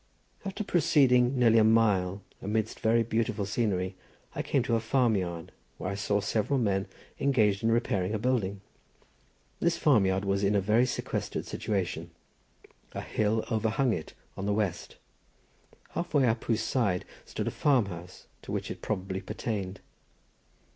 After proceeding nearly a mile amidst very beautiful scenery, I came to a farm yard, where I saw several men engaged in repairing a building. This farm yard was in a very sequestered situation; a hill overhung it on the west, half way up whose side stood a farmhouse, to which it probably pertained.